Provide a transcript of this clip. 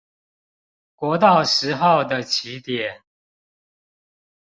國道十號的起點